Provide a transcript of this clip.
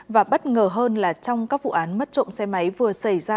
và bất ngờ hơn là trong các vụ án mất trộm xe máy vừa xảy ra